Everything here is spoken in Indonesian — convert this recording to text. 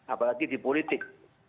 apalagi di politik